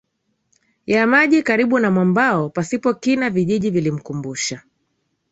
ya maji karibu na mwambao pasipo kina Vijiji vilimkubusha